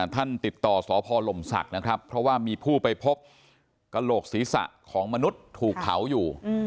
ท่านติดต่อสพลมศักดิ์นะครับเพราะว่ามีผู้ไปพบกระโหลกศีรษะของมนุษย์ถูกเผาอยู่